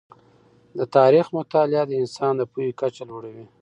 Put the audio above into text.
د تاریخ مطالعه د انسان د پوهې کچه لوړوي.